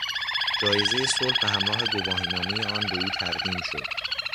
جایزهی صلح به همراه گواهینامهی آن به او تقدیم شد.